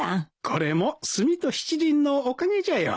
これも炭と七輪のおかげじゃよ。